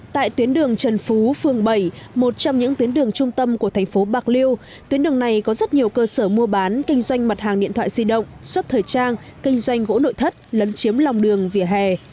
tại tuyến đường trần phú phường bảy một trong những tuyến đường trung tâm của thành phố bạc liêu tuyến đường này có rất nhiều cơ sở mua bán kinh doanh mặt hàng điện thoại di động xuất thời trang kinh doanh gỗ nội thất lấn chiếm lòng đường vỉa hè